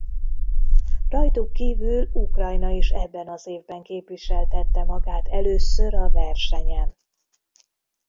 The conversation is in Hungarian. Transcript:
Rajtuk kívül Ukrajna is ebben az évben képviseltette magát először a versenyen.